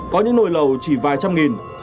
có những nồi lẩu chỉ vài trăm nghìn